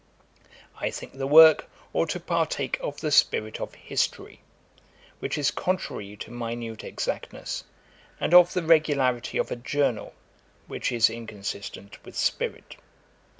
I think the work ought to partake of the spirit of history, which is contrary to minute exactness, and of the regularity of a journal, which is inconsistent with spirit.